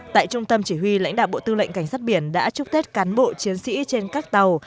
tại trung tâm chỉ huy lãnh đạo bộ tư lệnh cảnh sát biển đã chúc tết cán bộ chiến sĩ trên các tàu